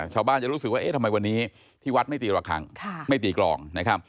ชาวบ้านจะรู้สึกว่าทำไมวันนี้ที่วัดไม่ตีรักฆังไม่ตีกรอง